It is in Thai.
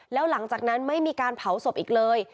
แล้วหลังจากนั้นไม่มีการเผาศพอีกเลย